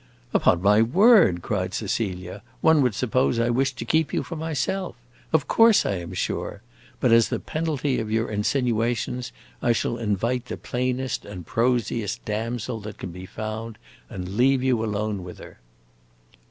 "Upon my word," cried Cecilia, "one would suppose I wished to keep you for myself. Of course I am sure! But as the penalty of your insinuations, I shall invite the plainest and prosiest damsel that can be found, and leave you alone with her."